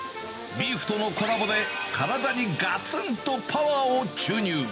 ビーフとのコラボで、体にがつんとパワーを注入。